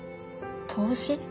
投資？